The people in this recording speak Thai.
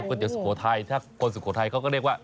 เตี๋ยสุโขทัยถ้าคนสุโขทัยเขาก็เรียกว่า